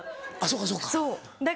そうかそうか。